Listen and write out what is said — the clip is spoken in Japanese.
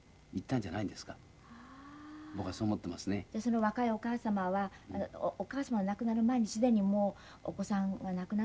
じゃあその若いお母様はお母様が亡くなる前に既にもうお子さんが亡くなっていらしたわけなんですね。